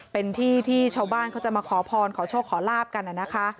เป็นที่ที่ชาวบ้านเขาจะมาขอพรขอโชคขอลาบกันนะคะ